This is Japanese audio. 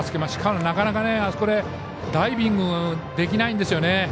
しかも、なかなかあそこでダイビングできないんですよね。